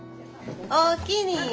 おおきに。